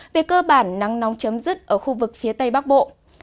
về cơ bản nắng nóng chấm dứt ở khu vực phía tây bắc bộ